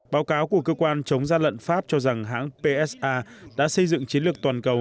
báo cáo của cơ quan chống gian lận pháp cho rằng hãng psa đã xây dựng chiến lược toàn cầu